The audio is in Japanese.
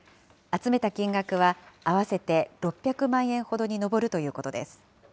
集めた金額は合わせて６００万円ほどに上るということです。